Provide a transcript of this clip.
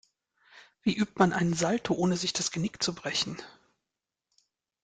Wie übt man einen Salto, ohne sich das Genick zu brechen?